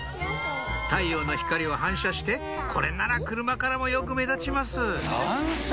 太陽の光を反射してこれなら車からもよく目立ちます